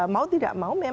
mau tidak mau